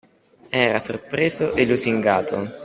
Era sorpreso e lusingato.